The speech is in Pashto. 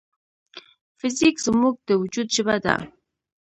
فزیک زموږ د وجود ژبه ده.